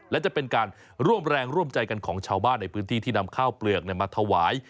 และจะเป็นการร่วมแรงร่วมใจกันของชาวบ้านในพื้นที่ที่นำข้าวเปลือกมาถวาย